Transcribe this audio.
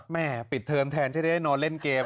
แม่ปิดเทอมแทนจะได้นอนเล่นเกม